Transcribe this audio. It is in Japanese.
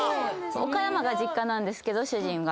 岡山が実家なんですけど主人が。